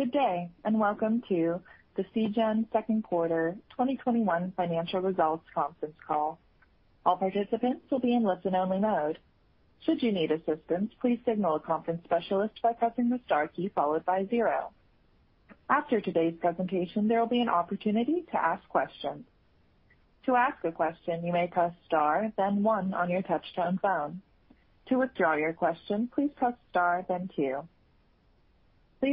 Good day, and welcome to the Seagen 2nd quarter 2021 financial results conference call. I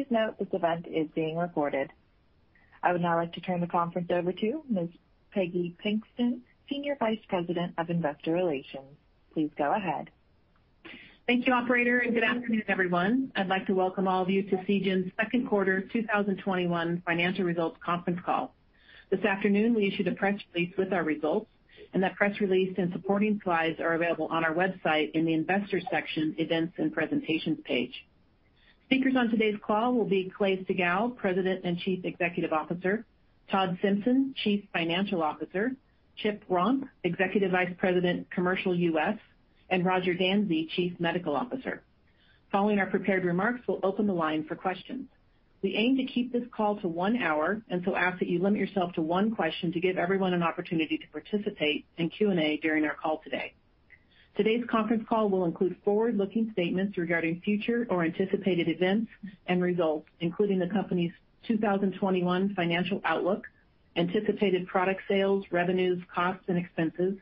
would now like to turn the conference over to Ms. Peggy Pinkston, Senior Vice President of Investor Relations. Please go ahead. Thank you, operator. Good afternoon, everyone. I'd like to welcome all of you to Seagen's 2nd quarter 2021 financial results conference call. This afternoon, we issued a press release with our results, and that press release and supporting slides are available on our website in the Investors section, Events and Presentations page. Speakers on today's call will be Clay Siegall, President and Chief Executive Officer, Todd Simpson, Chief Financial Officer, Chip Romp, Executive Vice President, Commercial U.S., and Roger Dansey, Chief Medical Officer. Following our prepared remarks, we'll open the line for questions. We aim to keep this call to one hour and so ask that you limit yourself to one question to give everyone an opportunity to participate in Q&A during our call today. Today's conference call will include forward-looking statements regarding future or anticipated events and results, including the company's 2021 financial outlook, anticipated product sales, revenues, costs, and expenses,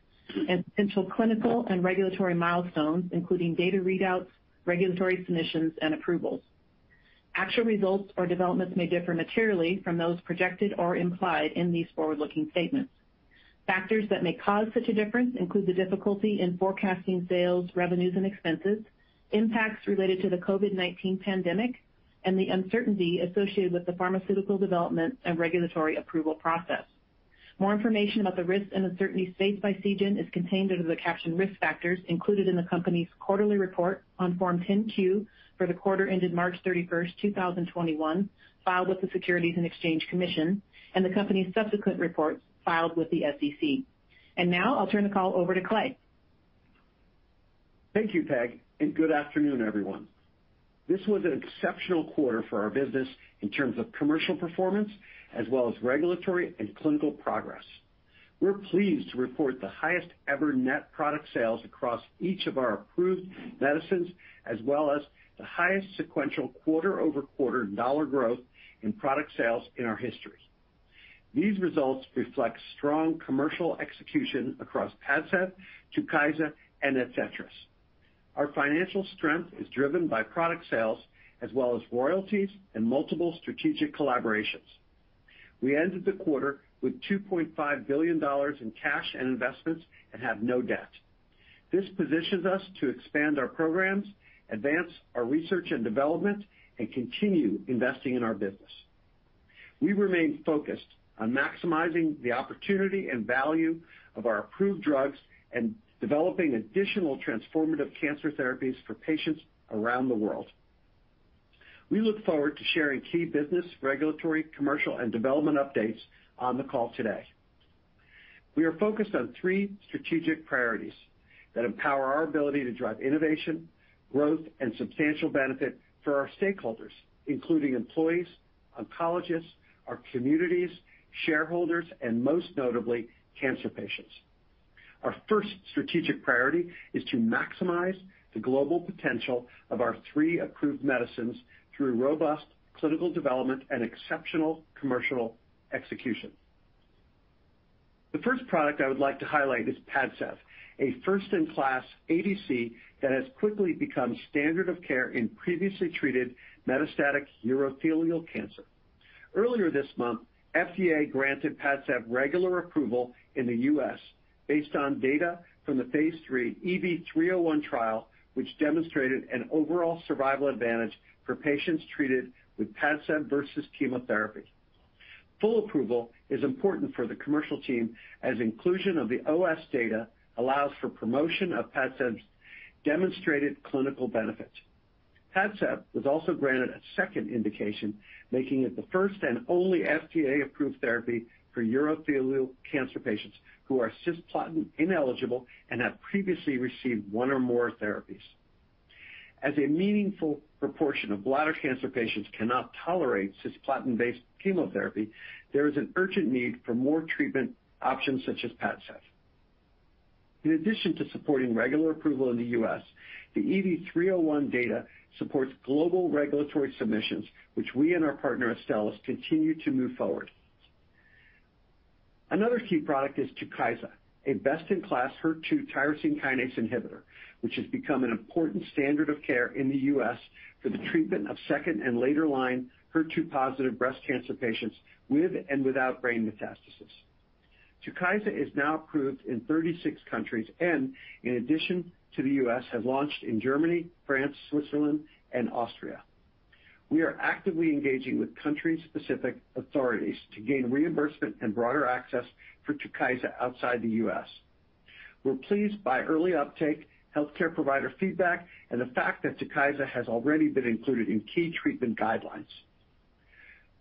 and potential clinical and regulatory milestones, including data readouts, regulatory submissions, and approvals. Actual results or developments may differ materially from those projected or implied in these forward-looking statements. Factors that may cause such a difference include the difficulty in forecasting sales, revenues, and expenses, impacts related to the COVID-19 pandemic, and the uncertainty associated with the pharmaceutical development and regulatory approval process. More information about the risks and uncertainties faced by Seagen is contained under the caption Risk Factors included in the company's quarterly report on Form 10-Q for the quarter ended March 31st, 2021, filed with the Securities and Exchange Commission, and the company's subsequent reports filed with the SEC. Now I'll turn the call over to Clay. Thank you, Peggy. Good afternoon, everyone. This was an exceptional quarter for our business in terms of commercial performance as well as regulatory and clinical progress. We're pleased to report the highest-ever net product sales across each of our approved medicines, as well as the highest sequential quarter-over-quarter dollar growth in product sales in our history. These results reflect strong commercial execution across PADCEV, TUKYSA, and ADCETRIS. Our financial strength is driven by product sales as well as royalties and multiple strategic collaborations. We ended the quarter with $2.5 billion in cash and investments and have no debt. This positions us to expand our programs, advance our research and development, and continue investing in our business. We remain focused on maximizing the opportunity and value of our approved drugs and developing additional transformative cancer therapies for patients around the world. We look forward to sharing key business, regulatory, commercial, and development updates on the call today. We are focused on three strategic priorities that empower our ability to drive innovation, growth, and substantial benefit for our stakeholders, including employees, oncologists, our communities, shareholders, and most notably, cancer patients. Our first strategic priority is to maximize the global potential of our three approved medicines through robust clinical development and exceptional commercial execution. The first product I would like to highlight is PADCEV, a first-in-class ADC that has quickly become standard of care in previously treated metastatic urothelial cancer. Earlier this month, FDA granted PADCEV regular approval in the U.S. based on data from the phase III EV301 trial, which demonstrated an overall survival advantage for patients treated with PADCEV versus chemotherapy. Full approval is important for the commercial team, as inclusion of the OS data allows for promotion of PADCEV's demonstrated clinical benefit. PADCEV was also granted a second indication, making it the first and only FDA-approved therapy for urothelial cancer patients who are cisplatin-ineligible and have previously received one or more therapies. As a meaningful proportion of bladder cancer patients cannot tolerate cisplatin-based chemotherapy, there is an urgent need for more treatment options such as PADCEV. In addition to supporting regular approval in the U.S., the EV301 data supports global regulatory submissions, which we and our partner Astellas continue to move forward. Another key product is TUKYSA, a best-in-class HER2 tyrosine kinase inhibitor, which has become an important standard of care in the U.S. for the treatment of second and later-line HER2-positive breast cancer patients with and without brain metastasis. TUKYSA is now approved in 36 countries and, in addition to the U.S., has launched in Germany, France, Switzerland, and Austria. We are actively engaging with country-specific authorities to gain reimbursement and broader access for TUKYSA outside the U.S. We are pleased by early uptake, healthcare provider feedback, and the fact that TUKYSA has already been included in key treatment guidelines.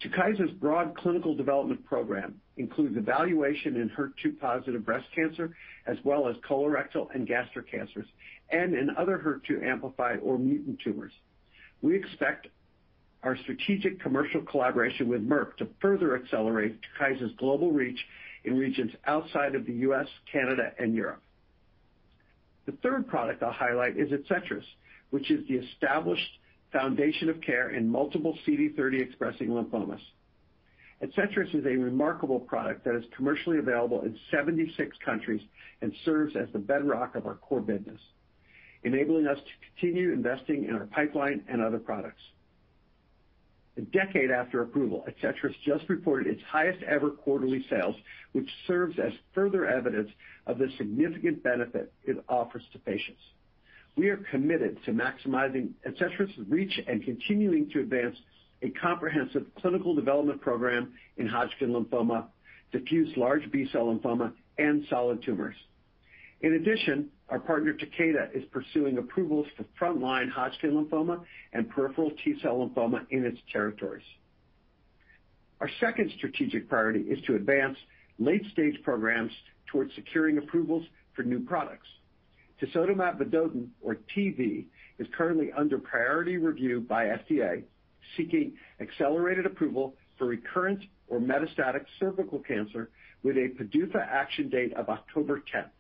TUKYSA's broad clinical development program includes evaluation in HER2-positive breast cancer, as well as colorectal and gastric cancers, and in other HER2-amplified or mutant tumors. We expect our strategic commercial collaboration with Merck to further accelerate TUKYSA's global reach in regions outside of the U.S., Canada, and Europe. The third product I'll highlight is ADCETRIS, which is the established foundation of care in multiple CD30 expressing lymphomas. ADCETRIS is a remarkable product that is commercially available in 76 countries and serves as the bedrock of our core business, enabling us to continue investing in our pipeline and other products. A decade after approval, ADCETRIS just reported its highest-ever quarterly sales, which serves as further evidence of the significant benefit it offers to patients. We are committed to maximizing ADCETRIS' reach and continuing to advance a comprehensive clinical development program in Hodgkin lymphoma, diffuse large B-cell lymphoma, and solid tumors. In addition, our partner, Takeda, is pursuing approvals for frontline Hodgkin lymphoma and peripheral T-cell lymphoma in its territories. Our second strategic priority is to advance late-stage programs towards securing approvals for new products. tisotumab vedotin, or TIVDAK, is currently under priority review by FDA, seeking accelerated approval for recurrent or metastatic cervical cancer with a PDUFA action date of October 10th.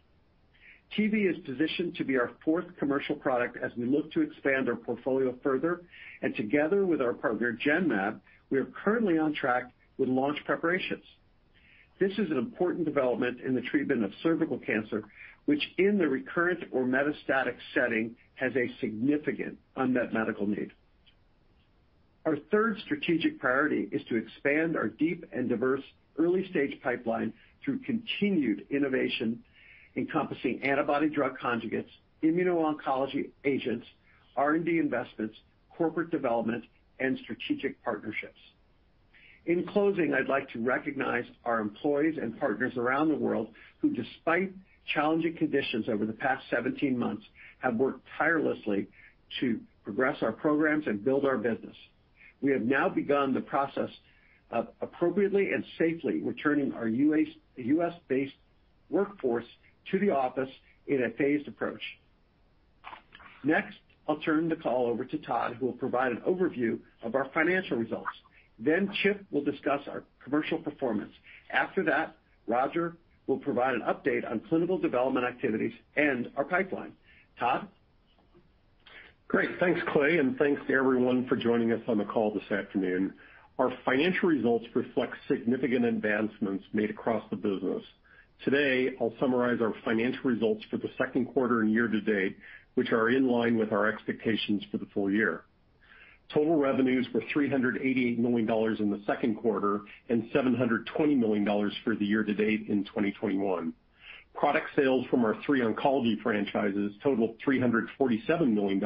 TIVDAK is positioned to be our fourth commercial product as we look to expand our portfolio further, and together with our partner, Genmab, we are currently on track with launch preparations. This is an important development in the treatment of cervical cancer, which in the recurrent or metastatic setting, has a significant unmet medical need. Our third strategic priority is to expand our deep and diverse early-stage pipeline through continued innovation encompassing antibody-drug conjugates, immuno-oncology agents, R&D investments, corporate development, and strategic partnerships. In closing, I'd like to recognize our employees and partners around the world who, despite challenging conditions over the past 17 months, have worked tirelessly to progress our programs and build our business. We have now begun the process of appropriately and safely returning our U.S.-based workforce to the office in a phased approach. I'll turn the call over to Todd, who will provide an overview of our financial results. Chip will discuss our commercial performance. Roger will provide an update on clinical development activities and our pipeline. Todd? Great. Thanks, Clay, and thanks to everyone for joining us on the call this afternoon. Our financial results reflect significant advancements made across the business. Today, I'll summarize our financial results for the second quarter and year to date, which are in line with our expectations for the full year. Total revenues were $388 million in the second quarter and $720 million for the year to date in 2021. Product sales from our three oncology franchises totaled $347 million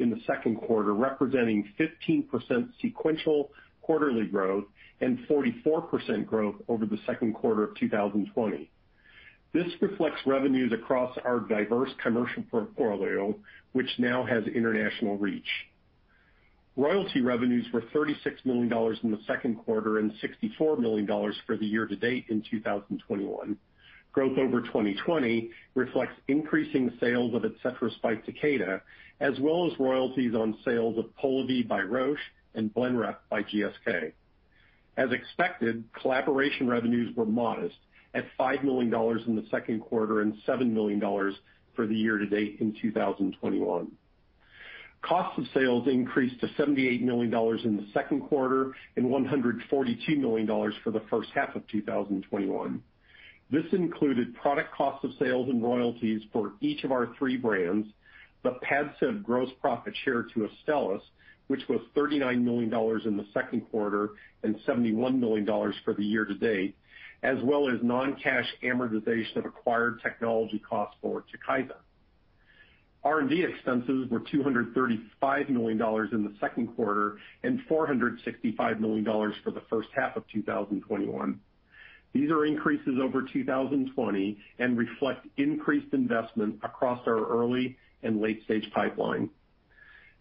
in the second quarter, representing 15% sequential quarterly growth and 44% growth over the second quarter of 2020. This reflects revenues across our diverse commercial portfolio, which now has international reach. Royalty revenues were $36 million in the second quarter and $64 million for the year to date in 2021. Growth over 2020 reflects increasing sales of ADCETRIS by Takeda, as well as royalties on sales of Polivy by Roche and Blenrep by GSK. As expected, collaboration revenues were modest at $5 million in the second quarter and $7 million for the year to date in 2021. Cost of sales increased to $78 million in the second quarter and $142 million for the first half of 2021. This included product cost of sales and royalties for each of our three brands, the PADCEV gross profit share to Astellas, which was $39 million in the second quarter and $71 million for the year to date, as well as non-cash amortization of acquired technology costs for TUKYSA. R&D expenses were $235 million in the second quarter and $465 million for the first half of 2021. These are increases over 2020 and reflect increased investment across our early and late-stage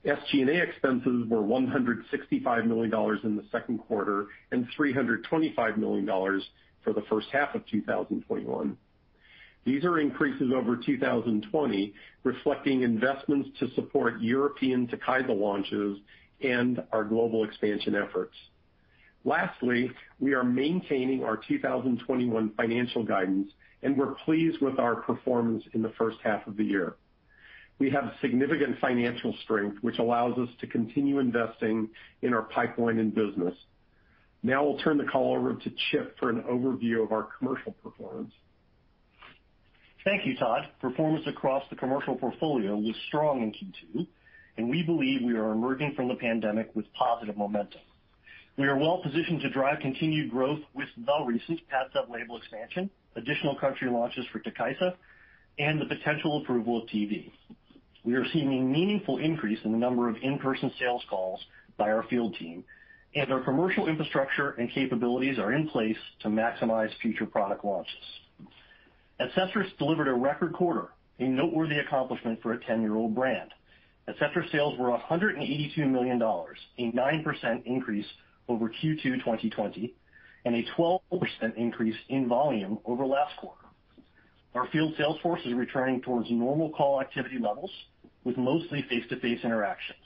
pipeline. SG&A expenses were $165 million in the second quarter and $325 million for the first half of 2021. These are increases over 2020, reflecting investments to support European TUKYSA launches and our global expansion efforts. Lastly, we are maintaining our 2021 financial guidance, and we're pleased with our performance in the first half of the year. We have significant financial strength, which allows us to continue investing in our pipeline and business. Now I'll turn the call over to Chip for an overview of our commercial performance. Thank you, Todd. Performance across the commercial portfolio was strong in Q2, and we believe we are emerging from the pandemic with positive momentum. We are well positioned to drive continued growth with the recent PADCEV label expansion, additional country launches for TUKYSA, and the potential approval of TIVDAK. We are seeing a meaningful increase in the number of in-person sales calls by our field team, and our commercial infrastructure and capabilities are in place to maximize future product launches. ADCETRIS delivered a record quarter, a noteworthy accomplishment for a 10-year-old brand. ADCETRIS sales were $182 million, a 9% increase over Q2 2020 and a 12% increase in volume over last quarter. Our field sales force is returning towards normal call activity levels with mostly face-to-face interactions.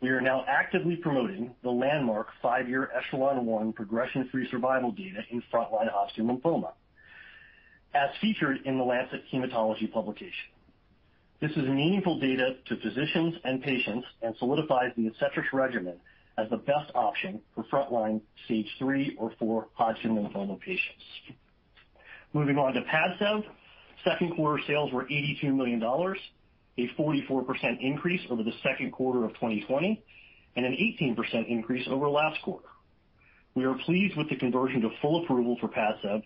We are now actively promoting the landmark 5-year ECHELON-1 progression free survival data in frontline Hodgkin lymphoma, as featured in The Lancet Haematology publication. This is meaningful data to physicians and patients and solidifies the ADCETRIS regimen as the best option for frontline stage III or IV Hodgkin lymphoma patients. Moving on to PADCEV. Second quarter sales were $82 million, a 44% increase over the second quarter of 2020, and an 18% increase over last quarter. We are pleased with the conversion to full approval for PADCEV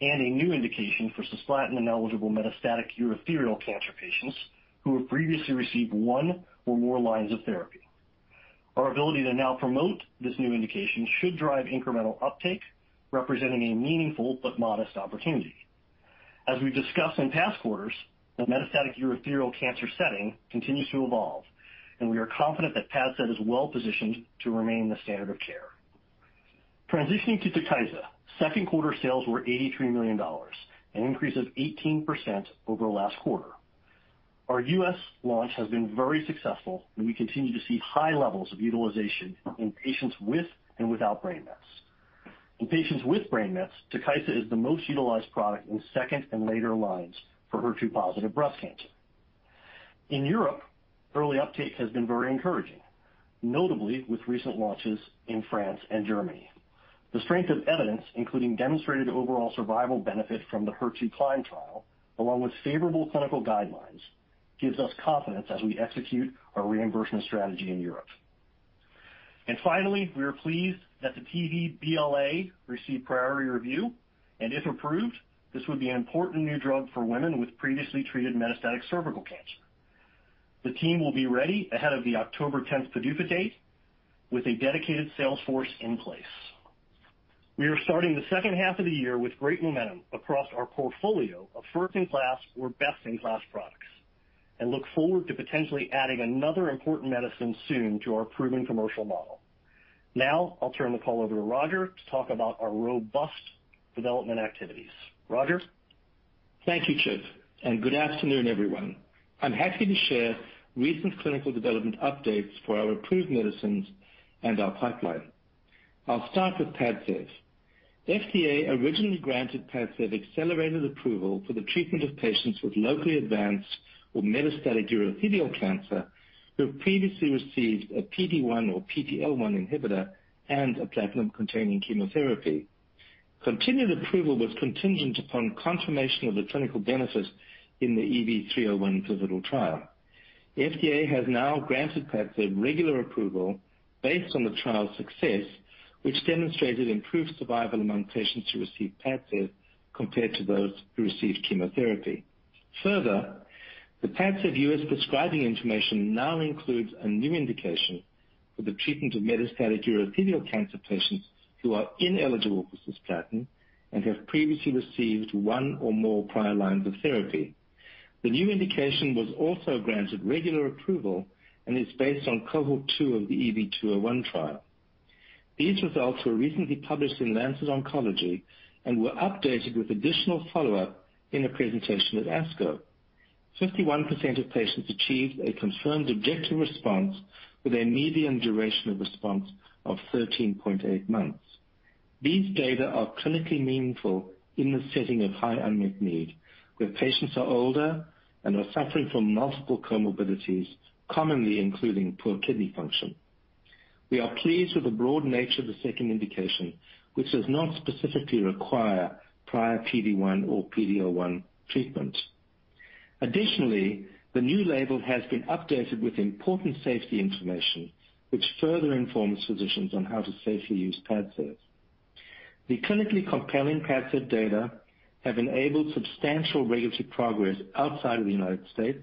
and a new indication for cisplatin-ineligible metastatic urothelial cancer patients who have previously received one or more lines of therapy. Our ability to now promote this new indication should drive incremental uptake, representing a meaningful but modest opportunity. As we've discussed in past quarters, the metastatic urothelial cancer setting continues to evolve, and we are confident that PADCEV is well-positioned to remain the standard of care. Transitioning to TUKYSA. Second quarter sales were $83 million, an increase of 18% over last quarter. Our U.S. launch has been very successful, and we continue to see high levels of utilization in patients with and without brain mets. In patients with brain mets, TUKYSA is the most utilized product in second and later lines for HER2-positive breast cancer. In Europe, early uptake has been very encouraging, notably with recent launches in France and Germany. The strength of evidence, including demonstrated overall survival benefit from the HER2CLIMB trial, along with favorable clinical guidelines, gives us confidence as we execute our reimbursement strategy in Europe. Finally, we are pleased that the tisotumab vedotin BLA received priority review, and if approved, this would be an important new drug for women with previously treated metastatic cervical cancer. The team will be ready ahead of the October 10th PDUFA date with a dedicated sales force in place. We are starting the second half of the year with great momentum across our portfolio of first-in-class or best-in-class products and look forward to potentially adding another important medicine soon to our proven commercial model. I'll turn the call over to Roger to talk about our robust development activities. Roger? Thank you, Chip, and good afternoon, everyone. I'm happy to share recent clinical development updates for our approved medicines and our pipeline. I'll start with PADCEV. FDA originally granted PADCEV accelerated approval for the treatment of patients with locally advanced or metastatic urothelial cancer who have previously received a PD-1 or PD-L1 inhibitor and a platinum-containing chemotherapy. Continued approval was contingent upon confirmation of the clinical benefit in the EV301 pivotal trial. FDA has now granted PADCEV regular approval based on the trial's success, which demonstrated improved survival among patients who received PADCEV compared to those who received chemotherapy. The PADCEV U.S. prescribing information now includes a new indication for the treatment of metastatic urothelial cancer patients who are ineligible for cisplatin and have previously received one or more prior lines of therapy. The new indication was also granted regular approval and is based on cohort 2 of the EV-201 trial. These results were recently published in The Lancet Oncology and were updated with additional follow-up in a presentation at ASCO. 51% of patients achieved a confirmed objective response with a median duration of response of 13.8 months. These data are clinically meaningful in the setting of high unmet need, where patients are older and are suffering from multiple comorbidities, commonly including poor kidney function. We are pleased with the broad nature of the second indication, which does not specifically require prior PD-1 or PD-L1 treatment. Additionally, the new label has been updated with important safety information, which further informs physicians on how to safely use PADCEV. The clinically compelling PADCEV data have enabled substantial regulatory progress outside of the U.S.,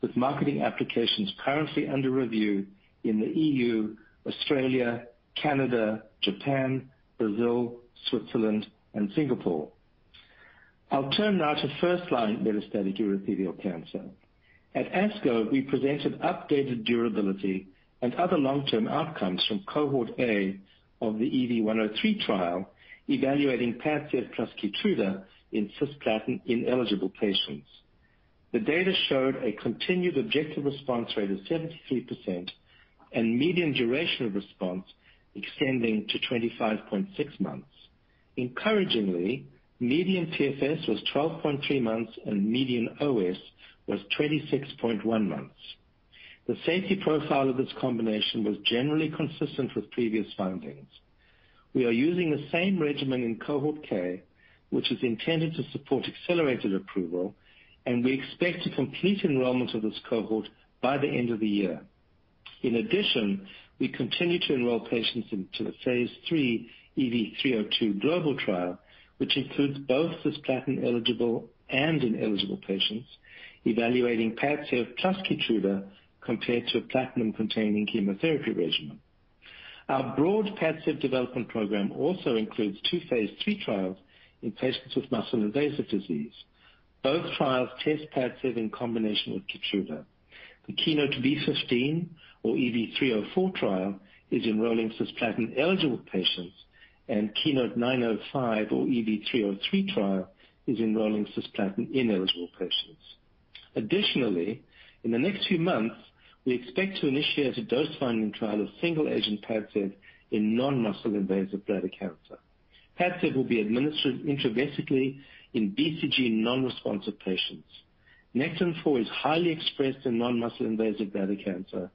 with marketing applications currently under review in the EU, Australia, Canada, Japan, Brazil, Switzerland, and Singapore. I'll turn now to first-line metastatic urothelial cancer. At ASCO, we presented updated durability and other long-term outcomes from cohort A of the EV-103 trial evaluating PADCEV plus KEYTRUDA in cisplatin-ineligible patients. The data showed a continued objective response rate of 73% and median duration of response extending to 25.6 months. Encouragingly, median PFS was 12.3 months, and median OS was 26.1 months. The safety profile of this combination was generally consistent with previous findings. We are using the same regimen in cohort K, which is intended to support accelerated approval, and we expect to complete enrollment of this cohort by the end of the year. In addition, we continue to enroll patients into the phase III EV-302 global trial, which includes both cisplatin-eligible and ineligible patients evaluating PADCEV plus KEYTRUDA compared to a platinum-containing chemotherapy regimen. Our broad PADCEV development program also includes two phase III trials in patients with muscle-invasive disease. Both trials test PADCEV in combination with KEYTRUDA. The KEYNOTE-B15 or EV304 trial is enrolling cisplatin-eligible patients, and KEYNOTE-905 or EV303 trial is enrolling cisplatin-ineligible patients. Additionally, in the next few months, we expect to initiate a dose-finding trial of single-agent PADCEV in non-muscle-invasive bladder cancer. PADCEV will be administered intravesically in BCG non-responsive patients. Nectin-4 is highly expressed in non-muscle-invasive bladder cancer,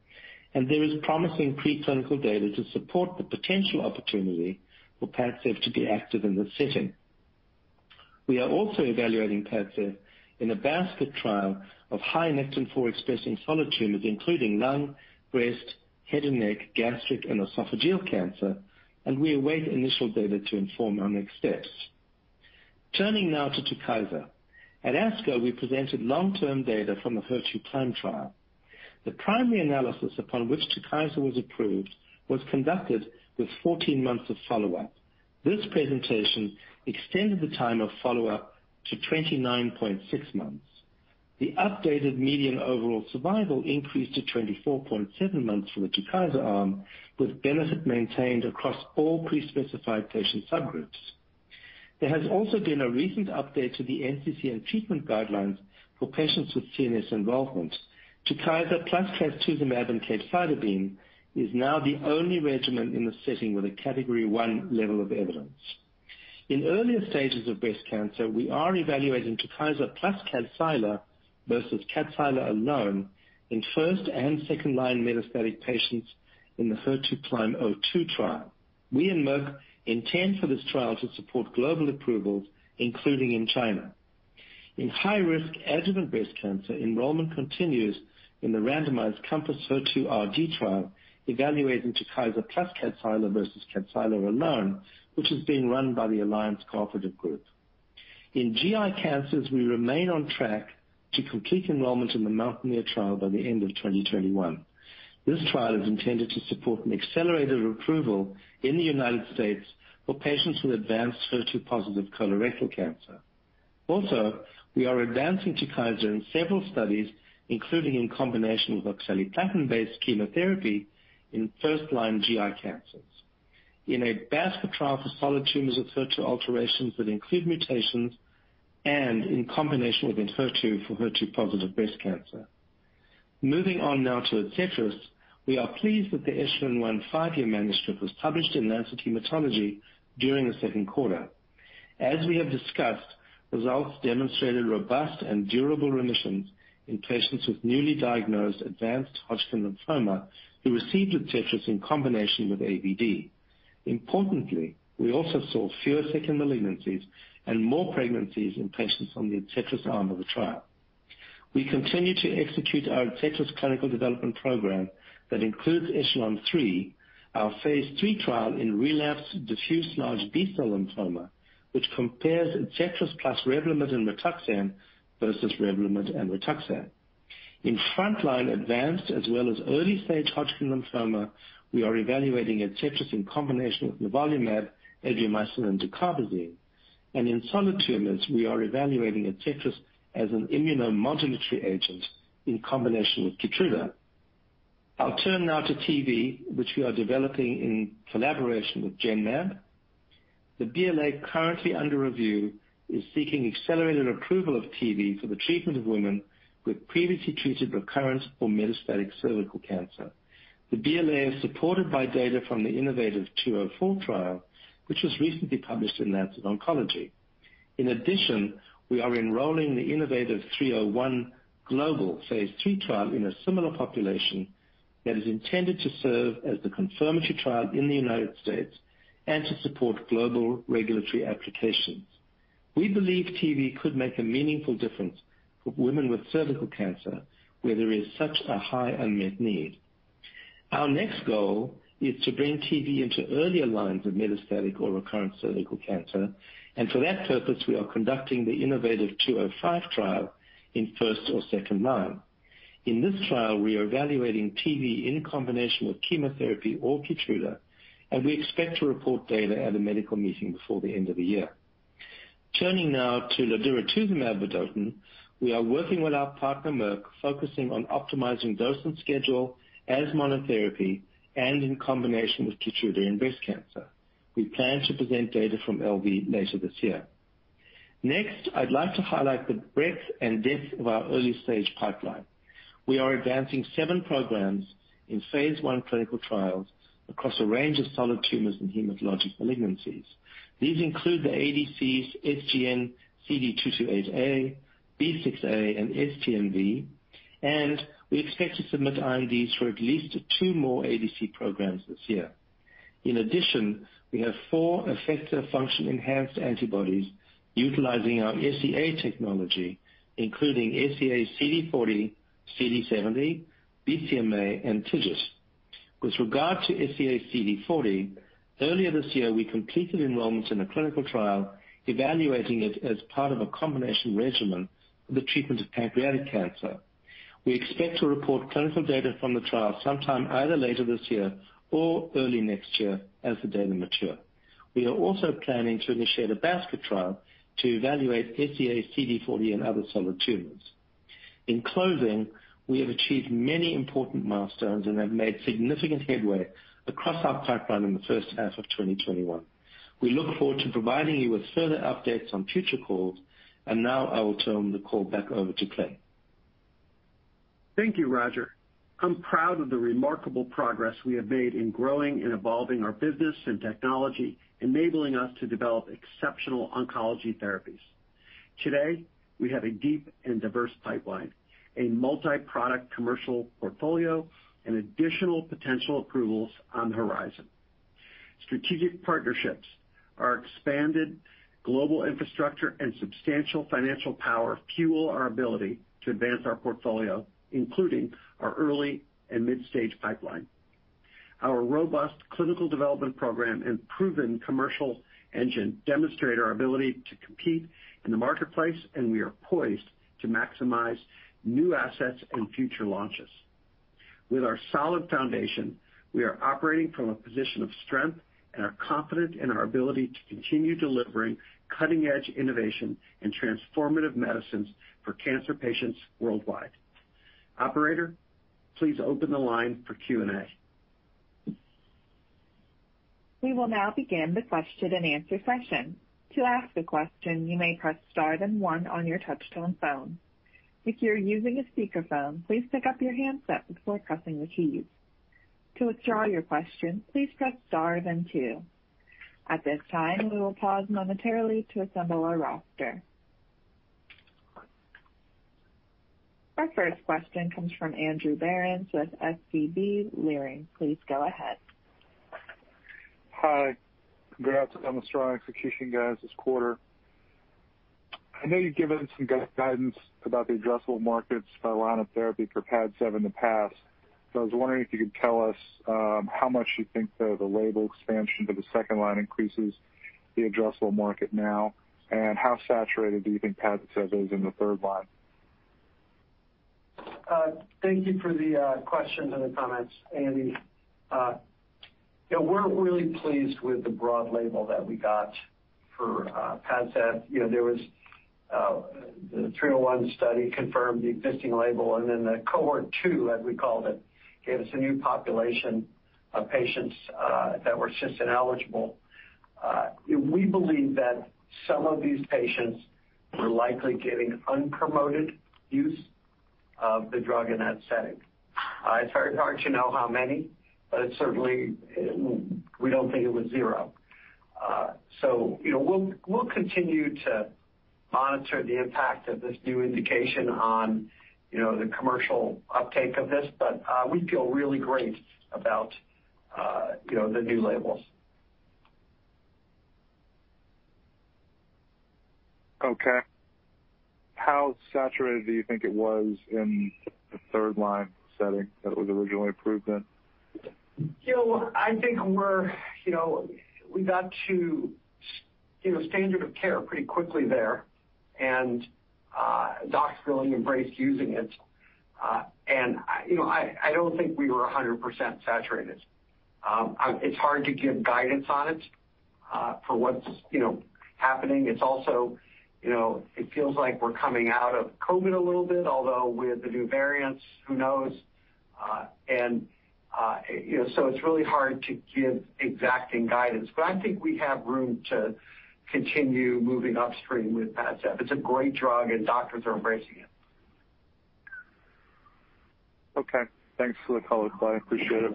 and there is promising preclinical data to support the potential opportunity for PADCEV to be active in this setting. We are also evaluating PADCEV in a basket trial of high Nectin-4 expressing solid tumors, including lung, breast, head and neck, gastric, and esophageal cancer, and we await initial data to inform our next steps. Turning now to TUKYSA. At ASCO, we presented long-term data from the HER2CLIMB trial. The primary analysis upon which TUKYSA was approved was conducted with 14 months of follow-up. This presentation extended the time of follow-up to 29.6 months. The updated median overall survival increased to 24.7 months for the TUKYSA arm, with benefit maintained across all pre-specified patient subgroups. There has also been a recent update to the NCCN treatment guidelines for patients with CNS involvement. TUKYSA plus trastuzumab and capecitabine is now the only regimen in the setting with a category 1 level of evidence. In earlier stages of breast cancer, we are evaluating TUKYSA plus KADCYLA versus KADCYLA alone in 1st and 2nd-line metastatic patients in the HER2CLIMB-02 trial. We and Merck intend for this trial to support global approvals, including in China. In high-risk adjuvant breast cancer, enrollment continues in the randomized CompassHER2 RD trial evaluating TUKYSA plus KADCYLA versus KADCYLA alone, which is being run by the Alliance Cooperative Group. In GI cancers, we remain on track to complete enrollment in the MOUNTAINEER trial by the end of 2021. This trial is intended to support an accelerated approval in the U.S. for patients with advanced HER2-positive colorectal cancer. We are advancing TUKYSA in several studies, including in combination with oxaliplatin-based chemotherapy in 1st-line GI cancers. In a basket trial for solid tumors with HER2 alterations that include mutations and in combination with ENHERTU for HER2-positive breast cancer. Moving on now to ADCETRIS. We are pleased that the ECHELON-1 five-year manuscript was published in The Lancet Haematology during the second quarter. As we have discussed, results demonstrated robust and durable remissions in patients with newly diagnosed advanced Hodgkin lymphoma who received ADCETRIS in combination with AVD. Importantly, we also saw fewer second malignancies and more pregnancies in patients on the ADCETRIS arm of the trial. We continue to execute our ADCETRIS clinical development program that includes ECHELON-3, our phase III trial in relapsed diffuse large B-cell lymphoma, which compares ADCETRIS plus Revlimid and rituximab versus Revlimid and rituximab. In frontline advanced as well as early-stage Hodgkin lymphoma, we are evaluating ADCETRIS in combination with nivolumab, Adriamycin, and dacarbazine. In solid tumors, we are evaluating ADCETRIS as an immunomodulatory agent in combination with KEYTRUDA. I'll turn now to TV, which we are developing in collaboration with Genmab. The BLA currently under review is seeking accelerated approval of TV for the treatment of women with previously treated recurrent or metastatic cervical cancer. The BLA is supported by data from the innovaTV 204 trial, which was recently published in The Lancet Oncology. In addition, we are enrolling the innovaTV 301 global phase III trial in a similar population that is intended to serve as the confirmatory trial in the U.S. and to support global regulatory applications. We believe TV could make a meaningful difference for women with cervical cancer where there is such a high unmet need. Our next goal is to bring TV into earlier lines of metastatic or recurrent cervical cancer, and for that purpose, we are conducting the innovaTV 205 trial in 1st or 2nd line. In this trial, we are evaluating TV in combination with chemotherapy or KEYTRUDA, and we expect to report data at a medical meeting before the end of the year. Turning now to ladiratuzumab vedotin. We are working with our partner, Merck, focusing on optimizing dose and schedule as monotherapy and in combination with KEYTRUDA in breast cancer. We plan to present data from LV later this year. Next, I'd like to highlight the breadth and depth of our early-stage pipeline. We are advancing 7 programs in phase I clinical trials across a range of solid tumors and hematologic malignancies. These include the ADCs SGN-CD228A, SGN-B6A, and SGN-STV, and we expect to submit INDs for at least two more ADC programs this year. In addition, we have four effector function enhanced antibodies utilizing our SEA technology, including SEA-CD40, SEA-CD70, SEA-BCMA, and SEA-TGT. With regard to SEA-CD40, earlier this year, we completed enrollments in a clinical trial evaluating it as part of a combination regimen for the treatment of pancreatic cancer. We expect to report clinical data from the trial sometime either later this year or early next year as the data mature. We are also planning to initiate a basket trial to evaluate SEA-CD40 in other solid tumors. In closing, we have achieved many important milestones and have made significant headway across our pipeline in the first half of 2021. We look forward to providing you with further updates on future calls, and now I will turn the call back over to Clay. Thank you, Roger. I'm proud of the remarkable progress we have made in growing and evolving our business and technology, enabling us to develop exceptional oncology therapies. Today, we have a deep and diverse pipeline, a multi-product commercial portfolio, and additional potential approvals on the horizon. Strategic partnerships, our expanded global infrastructure, and substantial financial power fuel our ability to advance our portfolio, including our early and mid-stage pipeline. Our robust clinical development program and proven commercial engine demonstrate our ability to compete in the marketplace, and we are poised to maximize new assets and future launches. With our solid foundation, we are operating from a position of strength and are confident in our ability to continue delivering cutting-edge innovation and transformative medicines for cancer patients worldwide. Operator, please open the line for Q&A. We will now begin the question and answer session. To ask a question, you may press star then one on your touchtone phone. If you're using a speakerphone, please pick up your handset before pressing the keys. To withdraw your question, please press star then two. At this time, we will pause momentarily to assemble our roster. Our first question comes from Andrew Berens with SVB Leerink. Please go ahead. Hi. Congrats on the strong execution, guys, this quarter. I know you've given some guidance about the addressable markets by line of therapy for PADCEV in the past. I was wondering if you could tell us how much you think the label expansion to the 2nd line increases the addressable market now, and how saturated do you think PADCEV is in the 3rd line? Thank you for the questions and the comments, Andy. We're really pleased with the broad label that we got for PADCEV. The EV301 study confirmed the existing label, and then the cohort 2, as we called it, gave us a new population of patients that were cisplatin-ineligible. We believe that some of these patients were likely getting unpromoted use of the drug in that setting. It's very hard to know how many, but it's certainly, we don't think it was 0. We'll continue to monitor the impact of this new indication on the commercial uptake of this. We feel really great about the new labels. Okay. How saturated do you think it was in the third line setting that was originally approved then? I think we got to standard of care pretty quickly there, and docs really embraced using it. I don't think we were 100% saturated. It's hard to give guidance on it for what's happening. It feels like we're coming out of COVID a little bit, although with the new variants, who knows? It's really hard to give exacting guidance, but I think we have room to continue moving upstream with PADCEV. It's a great drug, and doctors are embracing it. Okay. Thanks for the color, Clay. I appreciate it.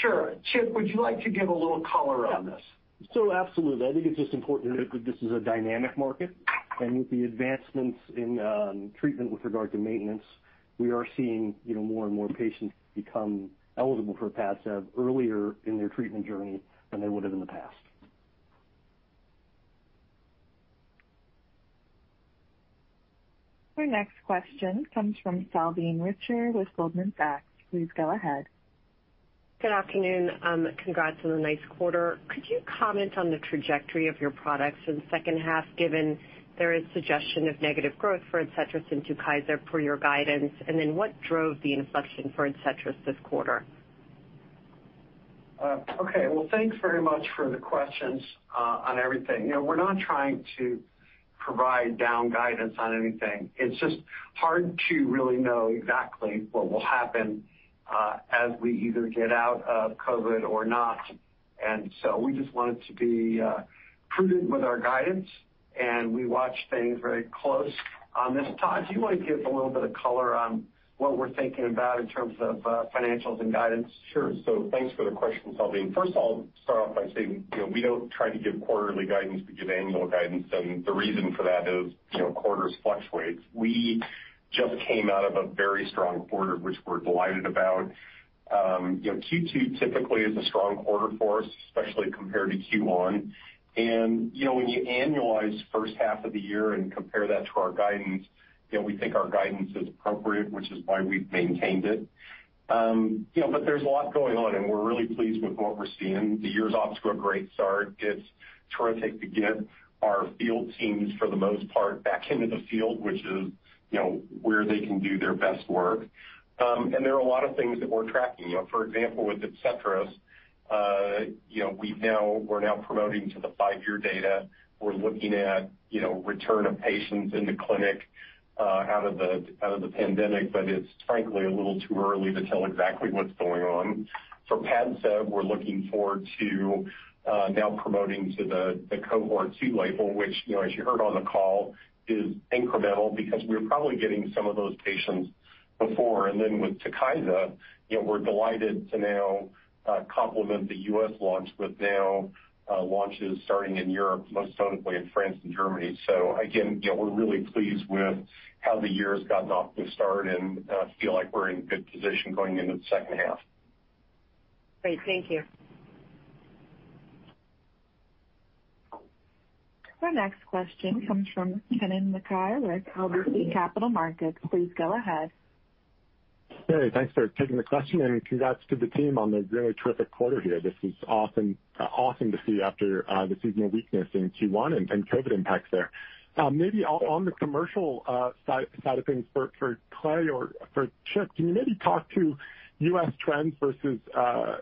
Sure. Chip, would you like to give a little color on this? Absolutely. I think it's just important to note that this is a dynamic market, and with the advancements in treatment with regard to maintenance, we are seeing more and more patients become eligible for PADCEV earlier in their treatment journey than they would have in the past. Our next question comes from Salveen Richter with Goldman Sachs. Please go ahead. Good afternoon. Congrats on a nice quarter. Could you comment on the trajectory of your products in the second half, given there is suggestion of negative growth for ADCETRIS and TUKYSA per your guidance? What drove the inflection for ADCETRIS this quarter? Okay. Well, thanks very much for the questions on everything. We're not trying to provide down guidance on anything. It's just hard to really know exactly what will happen as we either get out of COVID or not. We just wanted to be prudent with our guidance, and we watch things very close on this. Todd, do you want to give a little bit of color on What we're thinking about in terms of financials and guidance. Sure. Thanks for the question, Salveen. First of all, start off by saying, we don't try to give quarterly guidance, we give annual guidance. The reason for that is, quarters fluctuate. We just came out of a very strong quarter, which we're delighted about. Q2 typically is a strong quarter for us, especially compared to Q1. When you annualize first half of the year and compare that to our guidance, we think our guidance is appropriate, which is why we've maintained it. There's a lot going on, and we're really pleased with what we're seeing. The year's off to a great start. It's terrific to get our field teams for the most part back into the field, which is where they can do their best work. There are a lot of things that we're tracking. For example, with ADCETRIS, we're now promoting to the 5-year data. We're looking at return of patients in the clinic out of the pandemic. It's frankly a little too early to tell exactly what's going on. For PADCEV, we're looking forward to now promoting to the cohort 2 label, which, as you heard on the call, is incremental because we're probably getting some of those patients before. With TUKYSA, we're delighted to now complement the U.S. launch with now launches starting in Europe, most notably in France and Germany. Again, we're really pleased with how the year has gotten off to a start and feel like we're in good position going into the second half. Great. Thank you. Our next question comes from Kennen MacKay with RBC Capital Markets. Please go ahead. Hey, thanks for taking the question and congrats to the team on the really terrific quarter here. This is awesome to see after the seasonal weakness in Q1 and COVID impacts there. Maybe on the commercial side of things for Clay or for Chip, can you maybe talk to U.S. trends versus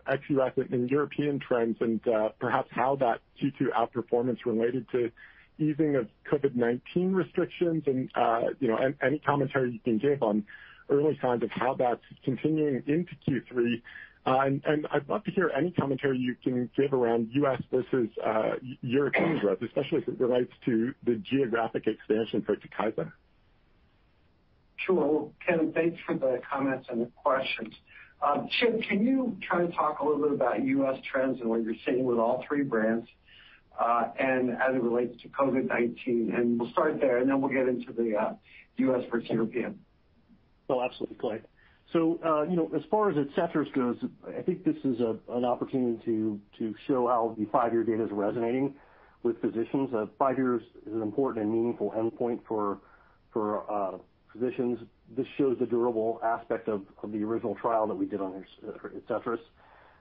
ex-U.S. and European trends and perhaps how that Q2 outperformance related to easing of COVID-19 restrictions and any commentary you can give on early signs of how that's continuing into Q3? I'd love to hear any commentary you can give around U.S. versus European growth, especially as it relates to the geographic expansion for TUKYSA. Sure. Well, Kennen, thanks for the comments and the questions. Chip, can you kind of talk a little bit about U.S. trends and what you're seeing with all three brands, and as it relates to COVID-19? We'll start there, then we'll get into the U.S. versus European. Absolutely, Clay. As far as ADCETRIS goes, I think this is an opportunity to show how the 5-year data is resonating with physicians. five years is an important and meaningful endpoint for physicians. This shows the durable aspect of the original trial that we did on ADCETRIS.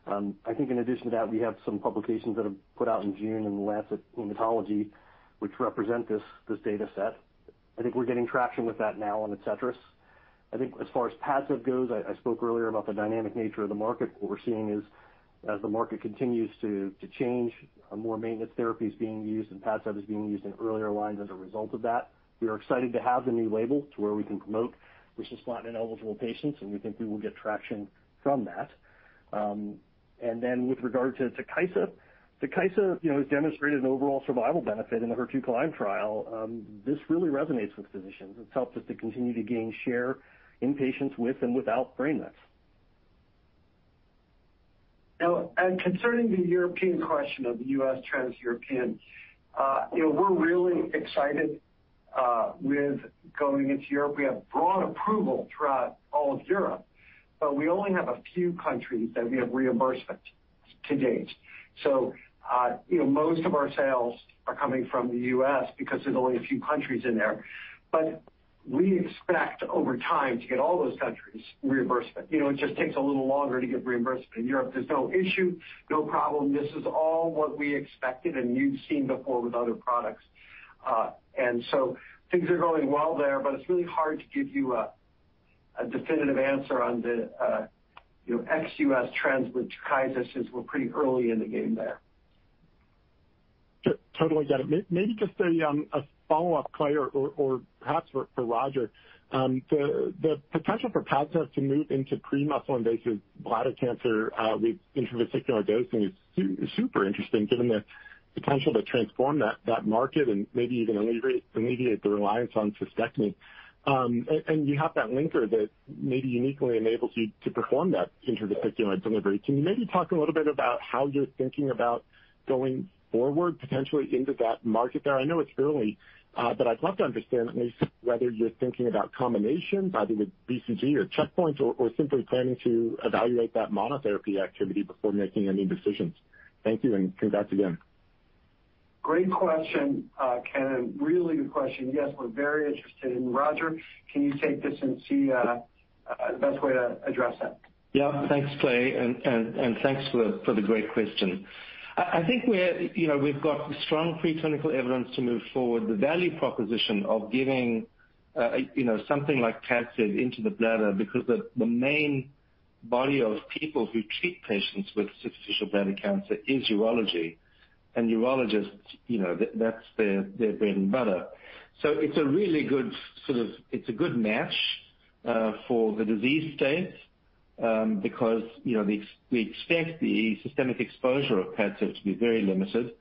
I think in addition to that, we have some publications that have put out in June in The Lancet Haematology, which represent this dataset. I think we're getting traction with that now on ADCETRIS. I think as far as PADCEV goes, I spoke earlier about the dynamic nature of the market. What we're seeing is as the market continues to change, more maintenance therapy is being used, and PADCEV is being used in earlier lines as a result of that. We are excited to have the new label to where we can promote with cisplatin-ineligible patients. We think we will get traction from that. With regard to TUKYSA has demonstrated an overall survival benefit in the HER2CLIMB trial. This really resonates with physicians. It's helped us to continue to gain share in patients with and without brain mets. Now, concerning the U.S. question of the U.S. trends European, we're really excited with going into Europe. We have broad approval throughout all of Europe, we only have a few countries that we have reimbursement to date. Most of our sales are coming from the U.S. because there's only a few countries in there. We expect over time to get all those countries reimbursement. It just takes a little longer to get reimbursement in Europe. There's no issue, no problem. This is all what we expected and you've seen before with other products. Things are going well there, it's really hard to give you a definitive answer on the ex-U.S. trends with TUKYSA since we're pretty early in the game there. Totally get it. Maybe just a follow-up, Clay, or perhaps for Roger. The potential for PADCEV to move into pre-muscle invasive bladder cancer with intravesicular dosing is super interesting given the potential to transform that market and maybe even alleviate the reliance on cystectomy. You have that linker that maybe uniquely enables you to perform that intravesicular delivery. Can you maybe talk a little bit about how you're thinking about going forward potentially into that market there? I know it's early, but I'd love to understand at least whether you're thinking about combinations, either with BCG or checkpoints or simply planning to evaluate that monotherapy activity before making any decisions. Thank you, and congrats again. Great question, Kennen. Really good question. Yes, we're very interested. Roger, can you take this and see the best way to address that? Yeah. Thanks, Clay. Thanks for the great question. I think we've got strong pre-clinical evidence to move forward the value proposition of giving something like PADCEV into the bladder because the main body of people who treat patients with superficial bladder cancer is urology. Urologists, that's their bread and butter. It's a good match for the disease state because we expect the systemic exposure of PADCEV to be very limited.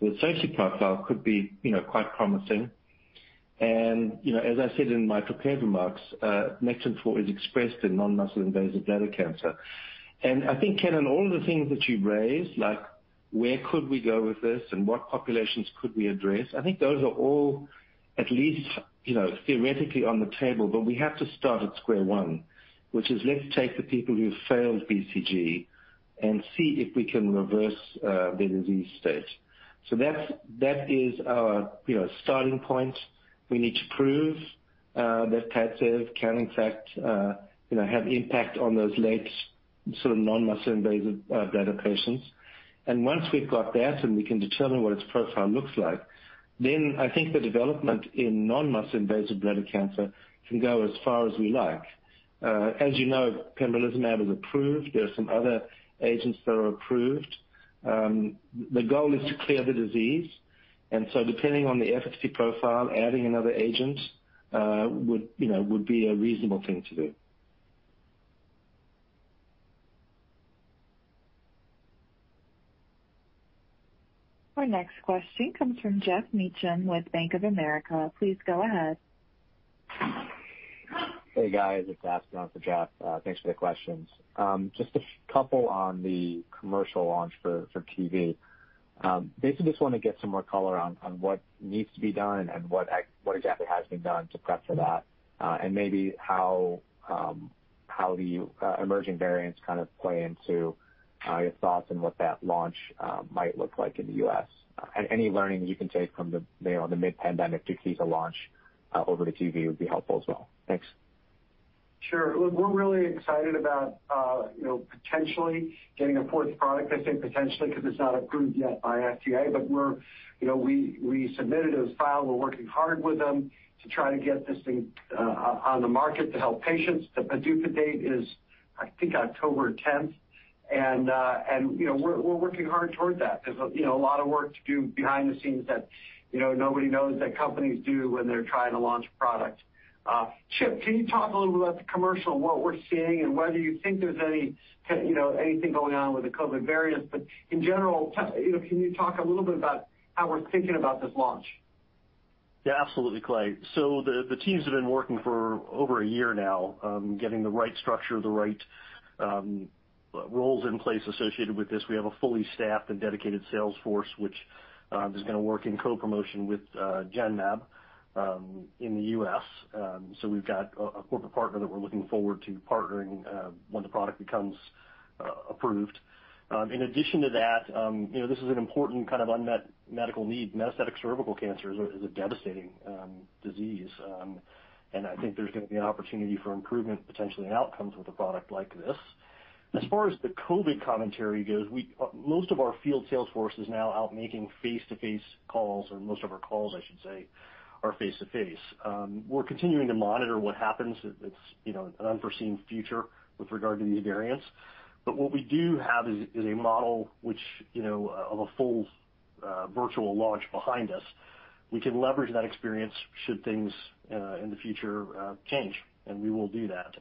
The safety profile could be quite promising. As I said in my prepared remarks, Nectin-4 is expressed in non-muscle invasive bladder cancer. I think, Kennen, on all of the things that you've raised, like where could we go with this and what populations could we address, I think those are all at least theoretically on the table. We have to start at square one, which is let's take the people who've failed BCG and see if we can reverse their disease state. That is our starting point. We need to prove that PADCEV can in fact have impact on those late non-muscle invasive bladder patients. Once we've got that and we can determine what its profile looks like, I think the development in non-muscle invasive bladder cancer can go as far as we like. As you know, pembrolizumab is approved. There are some other agents that are approved. The goal is to clear the disease, depending on the efficacy profile, adding another agent would be a reasonable thing to do. Our next question comes from Geoff Meacham with Bank of America. Please go ahead. Hey, guys. It's Geoff. Thanks for the questions. Just 2 on the commercial launch for PADCEV. Basically, just want to get some more color on what needs to be done and what exactly has been done to prep for that. Maybe how the emerging variants kind of play into your thoughts and what that launch might look like in the U.S. Any learning you can take from the mid-pandemic ADCETRIS launch over to PADCEV would be helpful as well. Thanks. Sure. Look, we're really excited about potentially getting a fourth product. I say potentially because it's not approved yet by FDA. We submitted a file. We're working hard with them to try to get this thing on the market to help patients. The PDUFA date is, I think, October 10th. We're working hard towards that. There's a lot of work to do behind the scenes that nobody knows that companies do when they're trying to launch a product. Chip, can you talk a little bit about the commercial and what we're seeing, and whether you think there's anything going on with the COVID variants? In general, can you talk a little bit about how we're thinking about this launch? Absolutely, Clay. The teams have been working for over a year now getting the right structure, the right roles in place associated with this. We have a fully staffed and dedicated sales force, which is going to work in co-promotion with Genmab in the U.S. We've got a corporate partner that we're looking forward to partnering when the product becomes approved. In addition to that, this is an important kind of unmet medical need. Metastatic cervical cancer is a devastating disease. I think there's going to be an opportunity for improvement, potentially in outcomes with a product like this. As far as the COVID commentary goes, most of our field sales force is now out making face-to-face calls, or most of our calls, I should say, are face-to-face. We're continuing to monitor what happens. It's an unforeseen future with regard to these variants. What we do have is a model of a full virtual launch behind us. We can leverage that experience should things in the future change, and we will do that.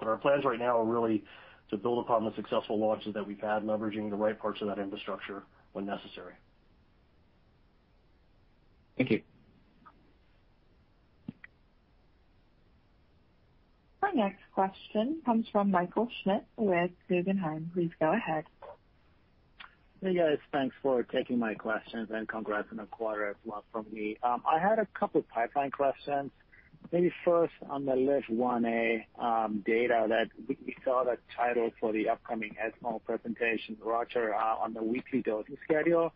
Our plans right now are really to build upon the successful launches that we've had, leveraging the right parts of that infrastructure when necessary. Thank you. Our next question comes from Michael Schmidt with Guggenheim. Please go ahead. Hey, guys. Thanks for taking my questions. Congrats on the quarter as well from me. I had a couple pipeline questions. Maybe first on the SGN-LIV1A data that we saw that title for the upcoming ESMO presentation, Roger, on the weekly dosing schedule.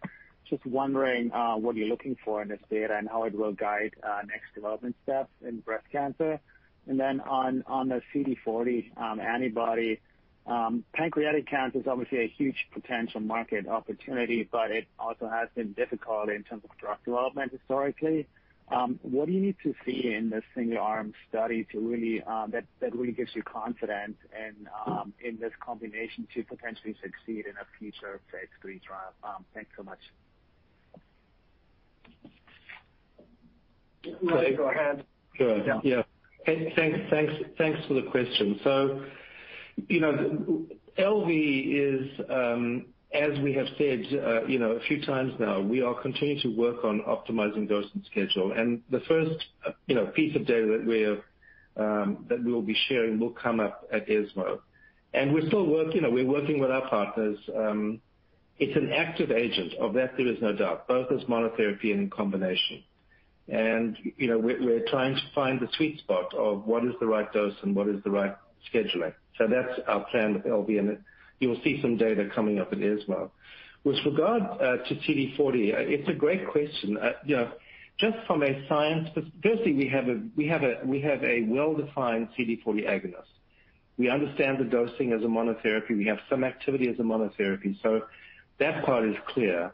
Just wondering what you're looking for in this data and how it will guide next development steps in breast cancer. Then on the CD40 antibody. Pancreatic cancer is obviously a huge potential market opportunity. It also has been difficult in terms of drug development historically. What do you need to see in this single-arm study that really gives you confidence in this combination to potentially succeed in a future phase III trial? Thanks so much. Clay, go ahead. Sure. Yeah. Thanks for the question. LV is, as we have said a few times now, we are continuing to work on optimizing dosing schedule. The first piece of data that we'll be sharing will come up at ESMO. We're still working with our partners. It's an active agent, of that there is no doubt, both as monotherapy and in combination. We're trying to find the sweet spot of what is the right dose and what is the right scheduling. That's our plan with LV, and you will see some data coming up at ESMO. With regard to CD40, it's a great question. Just from a science, firstly, we have a well-defined CD40 agonist. We understand the dosing as a monotherapy. We have some activity as a monotherapy. That part is clear.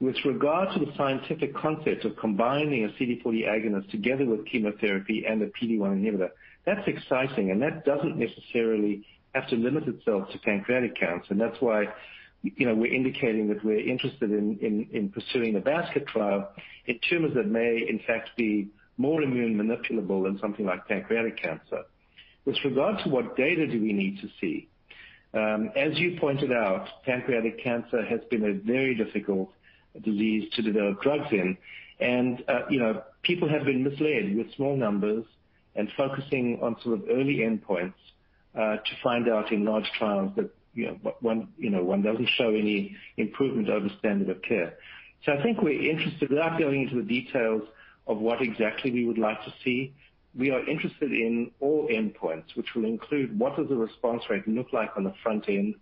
The scientific concept of combining a CD40 agonist together with chemotherapy and a PD-1 inhibitor, that's exciting, that doesn't necessarily have to limit itself to pancreatic cancer. That's why we're indicating that we're interested in pursuing a basket trial in tumors that may in fact be more immune manipulable than something like pancreatic cancer. What data do we need to see? As you pointed out, pancreatic cancer has been a very difficult disease to develop drugs in. People have been misled with small numbers and focusing on sort of early endpoints to find out in large trials that one doesn't show any improvement over standard of care. I think we're interested, without going into the details of what exactly we would like to see, we are interested in all endpoints, which will include what does the response rate look like on the front end?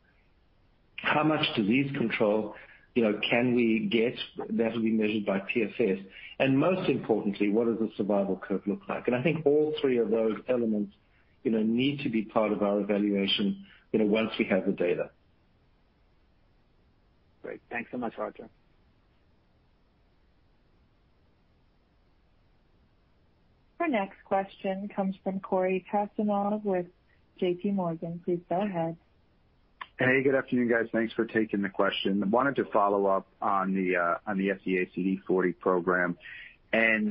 How much disease control can we get that'll be measured by PFS? Most importantly, what does the survival curve look like? I think all three of those elements need to be part of our evaluation once we have the data. Great. Thanks so much, Roger. Our next question comes from Cory Kasimov with JPMorgan. Please go ahead. Hey, good afternoon, guys. Thanks for taking the question. Wanted to follow up on the SEA-CD40 program.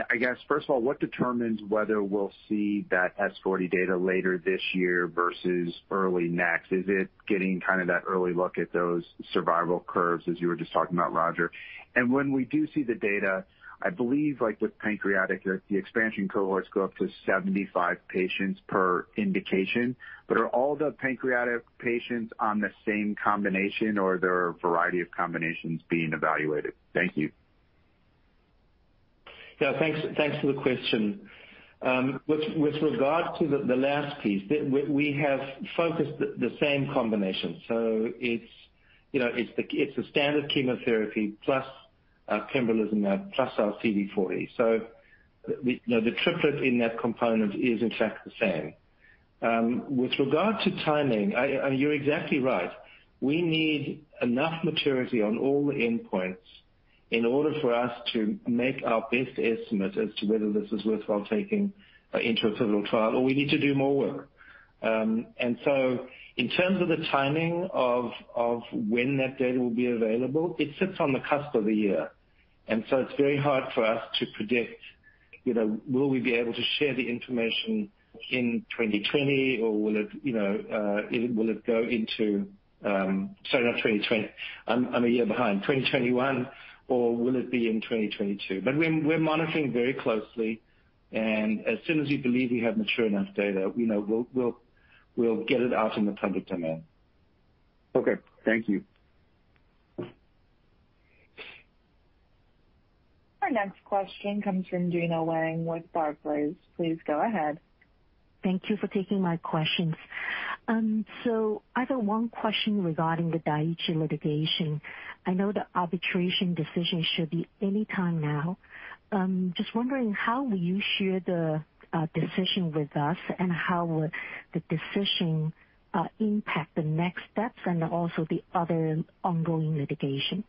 I guess first of all, what determines whether we'll see that SEA-CD40 data later this year versus early next? Is it getting kind of that early look at those survival curves as you were just talking about, Roger? When we do see the data, I believe like with pancreatic, the expansion cohorts go up to 75 patients per indication. Are all the pancreatic patients on the same combination, or there are a variety of combinations being evaluated? Thank you. Yeah, thanks for the question. With regard to the last piece, we have focused the same combination. It's the standard chemotherapy plus pembrolizumab plus our CD40. The triplet in that component is in fact the same. With regard to timing, you're exactly right. We need enough maturity on all the endpoints in order for us to make our best estimate as to whether this is worthwhile taking into a pivotal trial, or we need to do more work. In terms of the timing of when that data will be available, it sits on the cusp of the year. It's very hard for us to predict will we be able to share the information in 2020, or will it go into Sorry, not 2020. I'm a year behind. 2021, or will it be in 2022? We're monitoring very closely, and as soon as we believe we have mature enough data, we'll get it out in the public domain. Okay. Thank you. Our next question comes from Gena Wang with Barclays. Please go ahead. Thank you for taking my questions. I have one question regarding the Daiichi litigation. I know the arbitration decision should be any time now. Just wondering how will you share the decision with us and how will the decision impact the next steps and also the other ongoing litigation?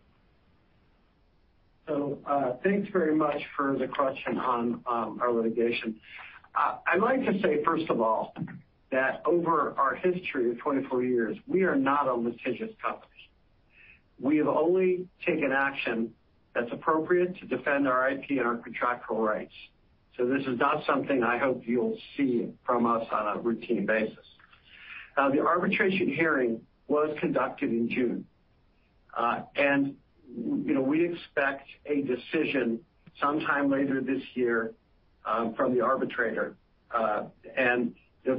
Thanks very much for the question on our litigation. I'd like to say, first of all, that over our history of 24 years, we are not a litigious company. We have only taken action that's appropriate to defend our IP and our contractual rights. This is not something I hope you'll see from us on a routine basis. The arbitration hearing was conducted in June. We expect a decision sometime later this year from the arbitrator.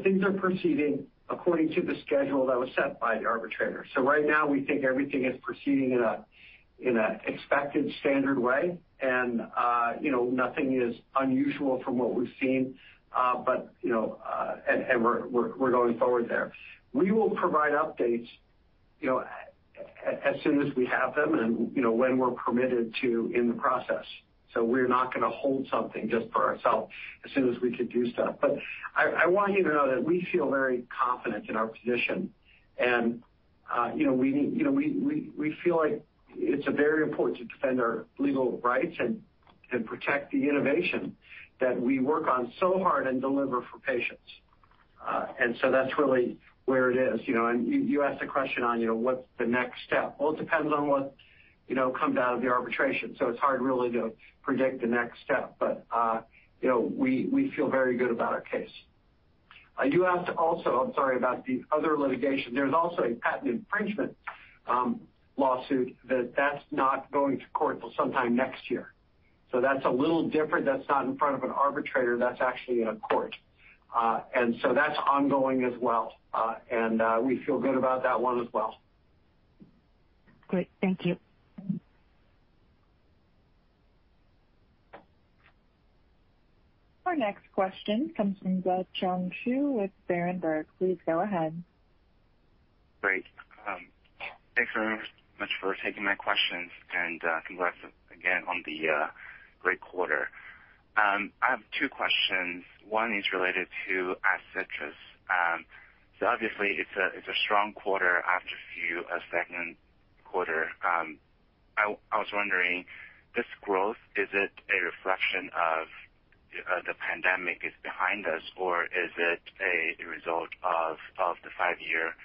Things are proceeding according to the schedule that was set by the arbitrator. Right now we think everything is proceeding in an expected standard way and nothing is unusual from what we've seen. We're going forward there. We will provide updates as soon as we have them and when we're permitted to in the process. We're not going to hold something just for ourselves as soon as we could do stuff. I want you to know that we feel very confident in our position, and we feel like it's very important to defend our legal rights and protect the innovation that we work on so hard and deliver for patients. That's really where it is. You asked the question on what's the next step. It depends on what comes out of the arbitration, so it's hard really to predict the next step. We feel very good about our case. You asked also, I'm sorry, about the other litigation. There's also a patent infringement lawsuit that's not going to court until sometime next year. That's a little different. That's not in front of an arbitrator. That's actually in a court. That's ongoing as well. We feel good about that one as well. Great. Thank you. Our next question comes from Zhiyuan Cong with Berenberg. Please go ahead. Great. Thanks very much for taking my questions, and congrats again on the great quarter. I have two questions. One is related to ADCETRIS. Obviously it's a strong quarter after a few, second quarter. I was wondering, this growth, is it a reflection of the pandemic is behind us or is it a result of the five-year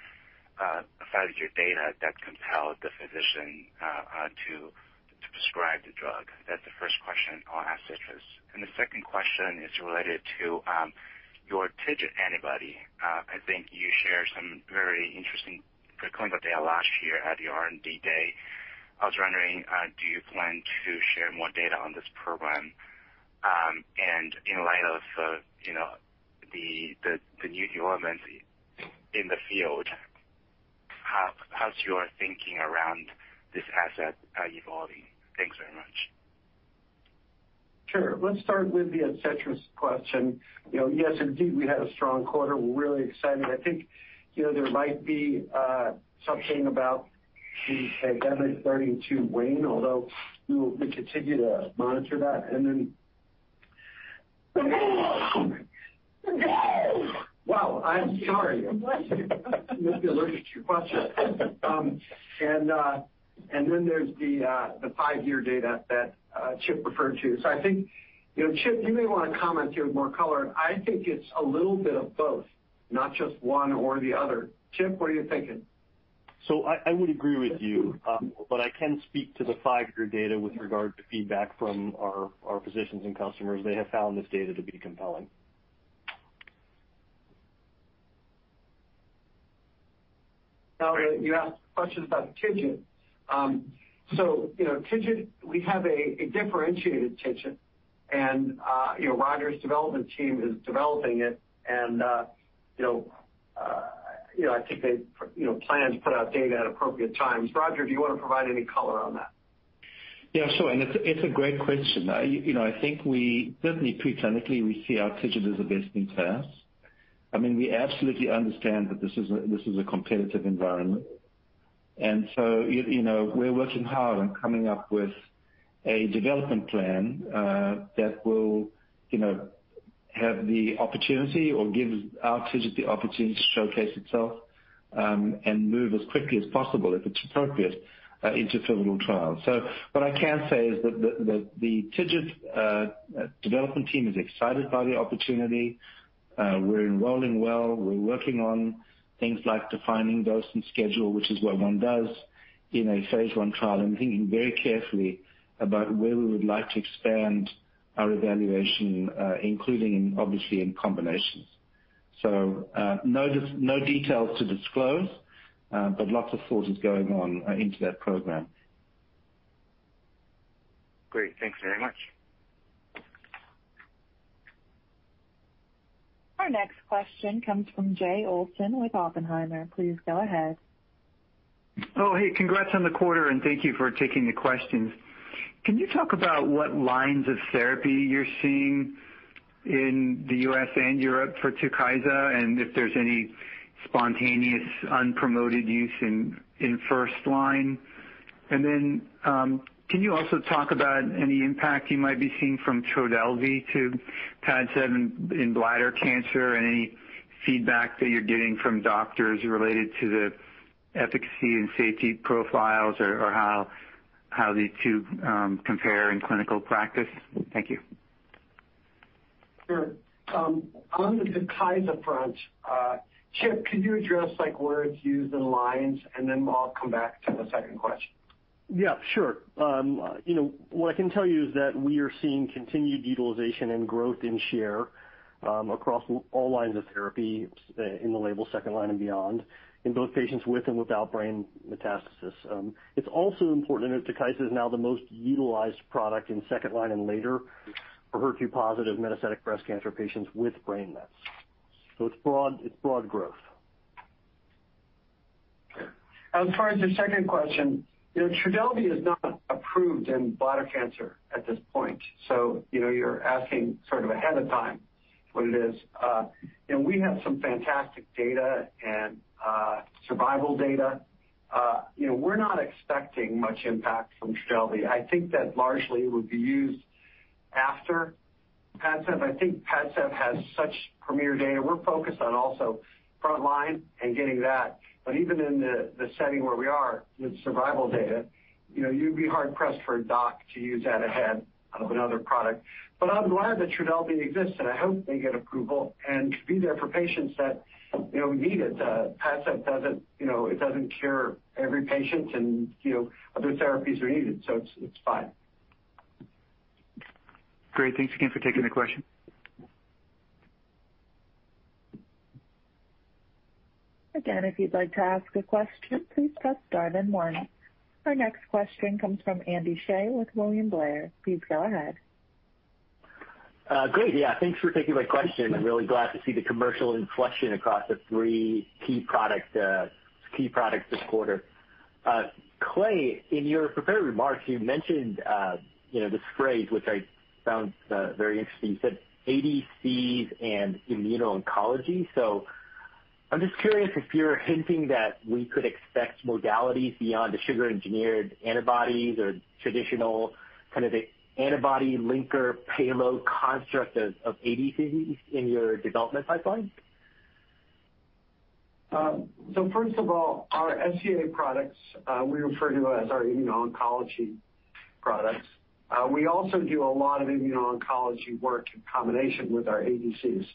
data that compelled the physician to prescribe the drug? That's the first question on ADCETRIS. The second question is related to your SEA-TGT antibody. I think you shared some very interesting clinical data last year at the R&D day. I was wondering, do you plan to share more data on this program? In light of the new elements in the field, how's your thinking around this asset evolving? Thanks very much. Sure. Let's start with the ADCETRIS question. Yes, indeed, we had a strong quarter. We're really excited. I think there might be something about the pandemic starting to wane, although we will continue to monitor that. Wow, I'm sorry. You must be allergic to your question. There's the 5-year data that Chip referred to. I think, Chip, you may want to comment here with more color. I think it's a little bit of both, not just one or the other. Chip, what are you thinking? I would agree with you, but I can speak to the 5-year data with regard to feedback from our physicians and customers. They have found this data to be compelling. Now, you asked questions about SEA-TGT. SEA-TGT, we have a differentiated SEA-TGT, and Roger's development team is developing it. I think they plan to put out data at appropriate times. Roger, do you want to provide any color on that? Yeah, sure, it's a great question. I think we certainly pre-clinically we see our SEA-TGT as a best-in-class. We absolutely understand that this is a competitive environment. We're working hard on coming up with a development plan that will have the opportunity or give our SEA-TGT the opportunity to showcase itself and move as quickly as possible, if it's appropriate, into clinical trials. What I can say is that the SEA-TGT development team is excited by the opportunity. We're enrolling well. We're working on things like defining dose and schedule, which is what one does in a phase I trial, and thinking very carefully about where we would like to expand our evaluation including obviously in combinations. No details to disclose, lots of thought is going on into that program. Great. Thanks very much. Our next question comes from Jay Olson with Oppenheimer. Please go ahead. Oh, hey, congrats on the quarter, and thank you for taking the questions. Can you talk about what lines of therapy you are seeing in the U.S. and Europe for TUKYSA, and if there's any spontaneous, unpromoted use in first line? Can you also talk about any impact you might be seeing from TRODELVY to PADCEV in bladder cancer? Any feedback that you're getting from doctors related to the efficacy and safety profiles or how the two compare in clinical practice? Thank you. Sure. On the TUKYSA front, Chip, could you address where it's used in lines? I'll come back to the second question. Yeah, sure. What I can tell you is that we are seeing continued utilization and growth in share across all lines of therapy in the label second line and beyond in both patients with and without brain metastasis. It's also important to note TUKYSA is now the most utilized product in second line and later for HER2-positive metastatic breast cancer patients with brain mets. It's broad growth. As far as the second question, Trodelvy is not approved in bladder cancer at this point. You're asking sort of ahead of time what it is. We have some fantastic data and survival data. We're not expecting much impact from Trodelvy. I think that largely it would be used after PADCEV. I think PADCEV has such premier data. We're focused on also front line and getting that. Even in the setting where we are with survival data, you'd be hard-pressed for a doc to use that ahead of another product. I'm glad that Trodelvy exists, and I hope they get approval and could be there for patients that need it. PADCEV doesn't cure every patient, and other therapies are needed, it's fine. Great. Thanks again for taking the question. Again, if you'd like to ask a question, please press star then one. Our next question comes from Andy Hsieh with William Blair. Please go ahead. Great. Yeah, thanks for taking my question. I'm really glad to see the commercial inflection across the 3 key products this quarter. Clay, in your prepared remarks, you mentioned this phrase, which I found very interesting. You said ADCs and immuno-oncology. I'm just curious if you're hinting that we could expect modalities beyond the sugar-engineered antibodies or traditional kind of a antibody linker payload construct of ADCs in your development pipeline? First of all, our SEA products we refer to as our immuno-oncology products. We also do a lot of immuno-oncology work in combination with our ADCs,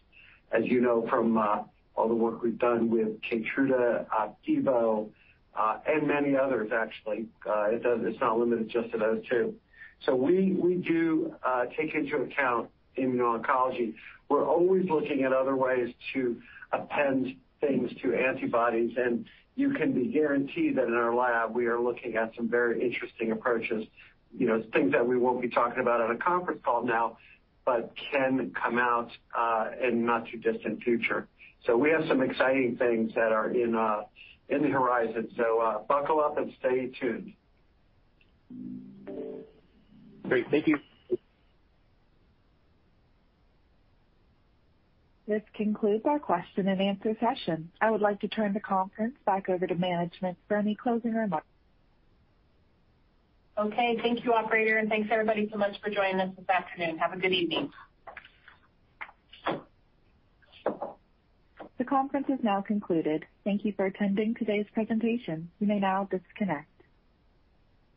as you know from all the work we've done with KEYTRUDA, OPDIVO and many others, actually. It's not limited just to those two. We do take into account immuno-oncology. We're always looking at other ways to append things to antibodies, and you can be guaranteed that in our lab, we are looking at some very interesting approaches. Things that we won't be talking about on a conference call now, but can come out in the not too distant future. We have some exciting things that are in the horizon. Buckle up and stay tuned. Great. Thank you. This concludes our question and answer session. I would like to turn the conference back over to management for any closing remarks. Okay. Thank you, operator, and thanks, everybody, so much for joining us this afternoon. Have a good evening. The conference is now concluded. Thank you for attending today's presentation. You may now disconnect.